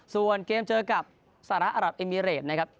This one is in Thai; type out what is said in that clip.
ส่วนเกมเจอกับสหรัฐอรับเอมิเรตนะครับ